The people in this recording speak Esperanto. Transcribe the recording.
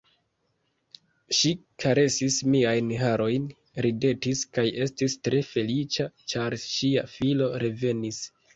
Ŝi karesis miajn harojn, ridetis kaj estis tre feliĉa, ĉar ŝia filo revenis.